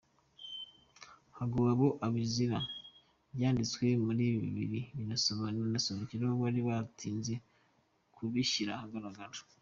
Hagowe abo Ibizira byanditswe muribibiria bizasohoreraho, Wari waratinse kubishyira ahagaragara.